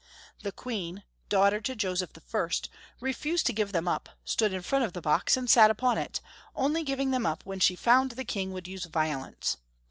The Queen — daughter to Joseph I. — re fused to give them up, stood in front of the box, and sat upon it, only giving them up when she found the King would use violence.